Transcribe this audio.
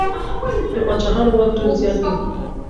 د پاچاهانو واک ډېر زيات و.